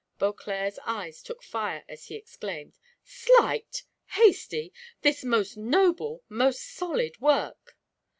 Beauclerc's eyes took fire as he exclaimed, "Slight! hasty! this most noble, most solid work!"